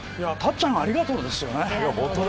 たっちゃんありがとうですよね。